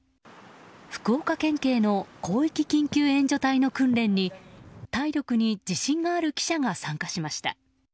福岡県警の広域緊急援助隊の訓練に体力に自信がある記者が参加しました。